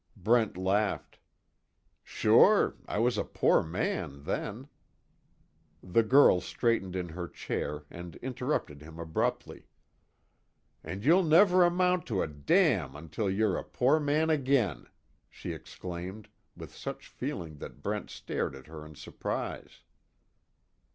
Brent laughed: "Sure, I was a poor man, then " The girl straightened in her chair and interrupted him abruptly, "And you'll never amount to a damn until you're a poor man again!" she exclaimed, with such feeling that Brent stared at her in surprise.